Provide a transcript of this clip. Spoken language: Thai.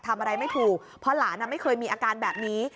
ทำอะไรไม่ถูกเพราะหลานไม่เคยมีอาการแบบนี้